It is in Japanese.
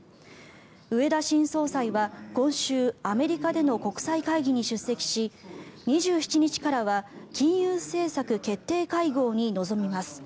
植田新総裁は今週アメリカでの国際会議に出席し２７日からは金融政策決定会合に臨みます。